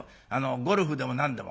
ゴルフでも何でも。